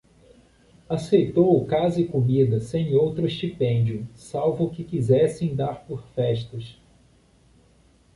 aceitou casa e comida sem outro estipêndio, salvo o que quisessem dar por festas.